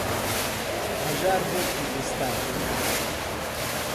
هەژار بۆ کوردستان